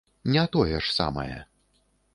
Не тое ж самае.